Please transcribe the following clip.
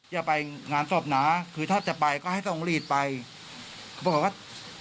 อย่าไปงานสรบนะคือถ้าจะไปก็ให้สทองศีลไว้ไป